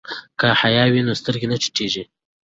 که حیا وي نو سترګې نه ټیټیږي.